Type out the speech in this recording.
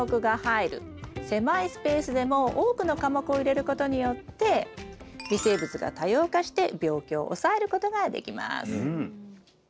狭いスペースでも多くの科目を入れることによって微生物が多様化して病気を抑えることができます。